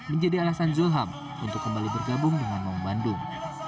menjadi alasan zulham untuk kembali bergabung dengan maung bandung